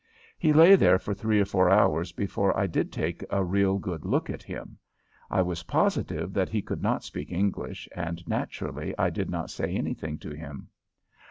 He lay there for three or four hours before I did take a real good look at him. I was positive that he could not speak English, and naturally I did not say anything to him.